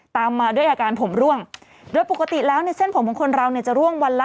ตามมาด้วยอาการผมร่วงโดยปกติแล้วในเส้นผมของคนเราเนี่ยจะร่วงวันละ